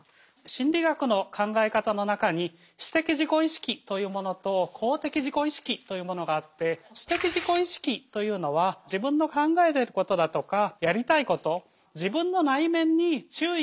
心理学の考え方の中に私的自己意識というものと公的自己意識というものがあって私的自己意識というのは自分の考えてることだとかやりたいこと自分の内面に注意がいきやすい傾向のことです。